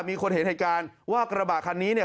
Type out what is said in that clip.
มีคนเห็นเหตุการณ์ว่ากระบะคันนี้เนี่ย